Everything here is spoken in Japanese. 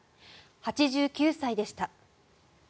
８９歳でした。